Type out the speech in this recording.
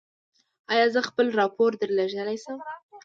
ایا زه خپل راپور درلیږلی شم؟